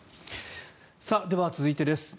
では、続いてです。